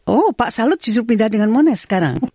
oh pak salut justru pindah dengan mones sekarang